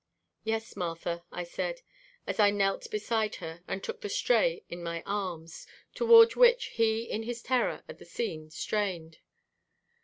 "Yes, Martha," I said, as I knelt beside her and took the Stray in my arms, toward which he in his terror at the scene strained.